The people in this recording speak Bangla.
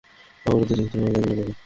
অবরোধের চিত্রও তার মনে পড়ে।